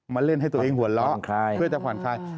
เล่นให้ตัวเองหัวเราะเพื่อจะผ่อนคลาย